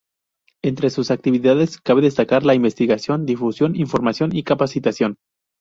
Entre sus actividades cabe destacar la investigación, difusión, información y capacitación.